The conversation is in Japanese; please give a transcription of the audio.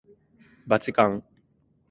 ばちかん